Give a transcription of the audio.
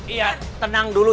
iya tenang dulu